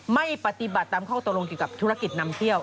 ไม่ปฏิบัติตามข้อตรงกับธุรกิจนำเที่ยว